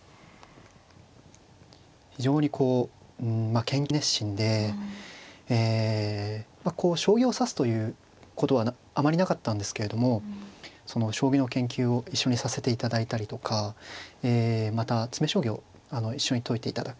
非常にこう研究熱心でえまあ将棋を指すということはあまりなかったんですけれども将棋の研究を一緒にさせていただいたりとかえまた詰め将棋を一緒に解いていただ。